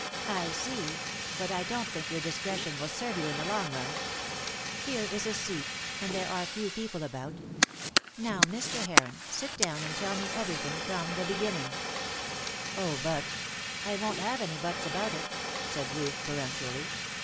"I see. But I don't think your discretion will serve you in the long run. Here is a seat, and there are few people about. Now, Mr. Heron, sit down and tell me everything from the beginning." "Oh, but " "I won't have any 'buts' about it," said Ruth, peremptorily.